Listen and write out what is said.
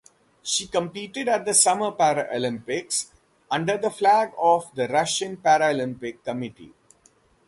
She competed at the Summer Paralympics under the flag of the Russian Paralympic Committee.